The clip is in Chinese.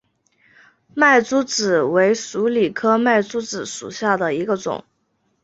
麦珠子为鼠李科麦珠子属下的一个种。